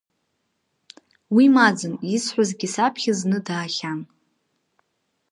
Уи маӡан, изҳәазгьы саԥхьа зны даахьан.